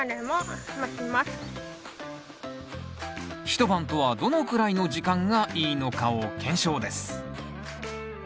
一晩とはどのくらいの時間がいいのかを検証です。